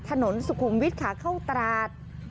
ถนนสุขุมวิทย์ขาเข้าตราด